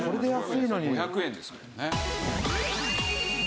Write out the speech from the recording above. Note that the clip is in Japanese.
５００円ですもんね。